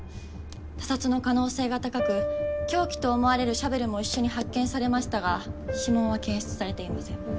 他殺の可能性が高く凶器と思われるシャベルも一緒に発見されましたが指紋は検出されていません。